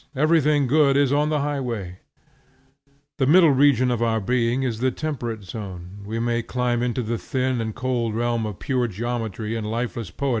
Everything good is on the highway. The middle region of our being is the temperate zone. We may climb into the thin and cold realm of pure geometry and lifeless science, or sink into that of sensation.